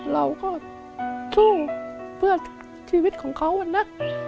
เราก็สู้เพื่อชีวิตของเขานะ